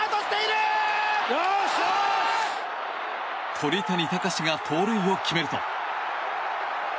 鳥谷敬が盗塁を決めると。